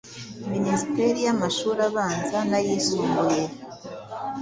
Minisiteri y’Amashuri Abanza n’Ayisumbuye,